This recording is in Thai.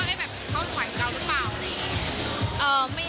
แต่ผมก็คิดว่าเข้าถ่วยกับเราหรือเปล่า